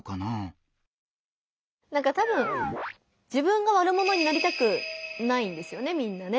たぶん自分が悪者になりたくないんですよねみんなね。